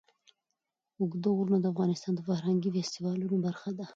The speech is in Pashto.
اوږده غرونه د افغانستان د فرهنګي فستیوالونو برخه ده.